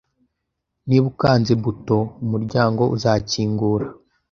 Niba ukanze buto, umuryango uzakingura